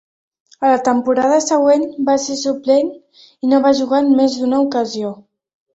A la temporada següent, va ser suplent i no va jugar en més d'una ocasió.